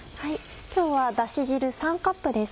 今日はだし汁３カップです。